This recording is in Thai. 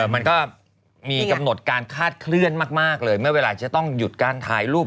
มันก็มีกำหนดการคาดเคลื่อนมากเลยเมื่อเวลาจะต้องหยุดการถ่ายรูป